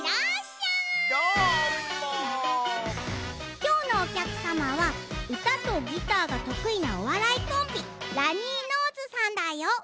きょうのおきゃくさまはうたとギターがとくいなおわらいコンビラニーノーズさんだよ。